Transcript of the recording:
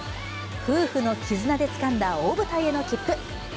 夫婦の絆でつかんだ大舞台への切符。